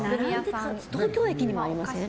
東京駅にもありません？